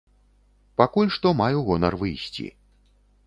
Пакуль што маю гонар выйсці.